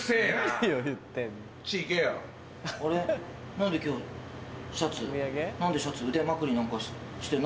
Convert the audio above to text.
何で今日シャツ何でシャツ腕まくりなんかして何で？